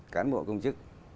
cán bộ công chức